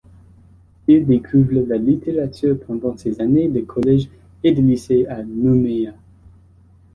Il découvre la littérature pendant ses années de collège et de lycée à Nouméa.